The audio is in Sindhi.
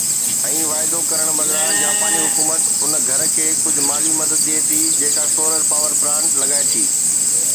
۽ واعدو ڪرڻ بدران، جاپاني حڪومت ان گهر کي ڪجهه مالي مدد ڏئي ٿي جيڪا سولر پاور پلانٽ لڳائي ٿي.